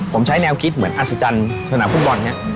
ผมใช้แนวคิดเหมือนอัศจรรย์สนามฟุตบอลเนี่ย